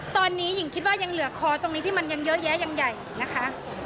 ตอนนี้หญิงคิดว่ายังเหลือคอตรงนี้ที่มันยังเยอะแยะยังใหญ่นะคะ